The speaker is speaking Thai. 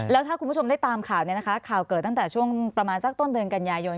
แล้วถ้าคุณผู้ชมได้ตามข่าวเนี่ยนะคะข่าวเกิดตั้งแต่ช่วงประมาณสักต้นเดือนกันยายน